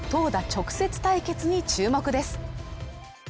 直接対決に注目です。